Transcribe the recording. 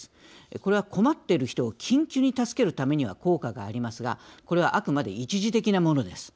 これは困っている人を緊急に助けるためには効果がありますがこれはあくまで一時的なものです。